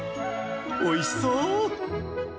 おいしそう。